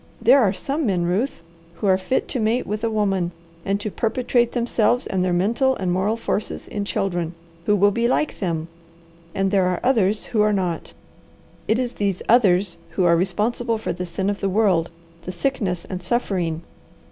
There are some men, Ruth, who are fit to mate with a woman, and to perpetuate themselves and their mental and moral forces in children, who will be like them, and there are others who are not. It is these 'others' who are responsible for the sin of the world, the sickness and suffering.